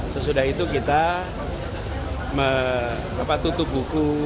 sesudah itu kita tutup buku